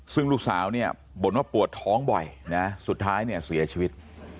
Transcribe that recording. ซึ่งลูกสาวเนี่ยบ่นว่าปวดท้องบ่อยนะสุดท้ายเนี่ยเสียชีวิต